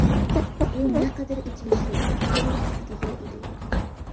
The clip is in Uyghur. بۇ نەقەدەر ئېچىنىشلىق، گۈزەللىك سىزگە يار ئىدى.